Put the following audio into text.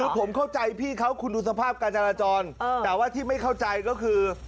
คือผมเข้าใจพี่เขาคุณดูสภาพการจราจรแต่ว่าที่ไม่เข้าใจก็คือ